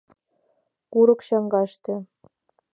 Курык чоҥгаште